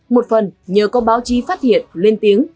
một phần nhờ có báo chí phát hiện lên tiếng